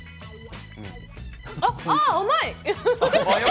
ああ、甘い。